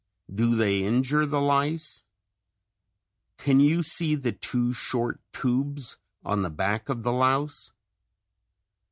Do they injure the lice? Can you see the two short tubes on the back of the louse?